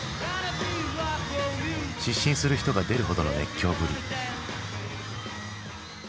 失神する人が出るほどの熱狂ぶり。